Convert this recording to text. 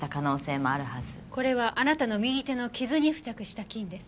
これはあなたの右手の傷に付着した菌です。